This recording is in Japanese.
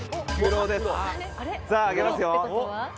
さあ開けますよ。